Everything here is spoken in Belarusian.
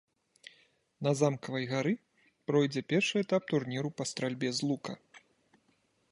На замкавай гары пройдзе першы этап турніру па стральбе з лука.